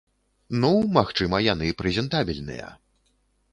Ну, магчыма, яны прэзентабельныя.